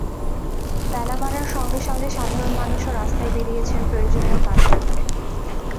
বেলা বাড়ার সঙ্গে সঙ্গে সাধারণ মানুষও রাস্তায় বেরিয়েছেন প্রয়োজনীয় কাজ সারতে।